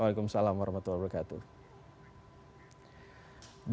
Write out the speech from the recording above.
waalaikumsalam warahmatullahi wabarakatuh